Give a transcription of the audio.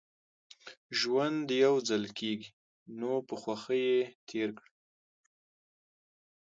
ژوند يوځل کېږي نو په خوښۍ يې تېر کړئ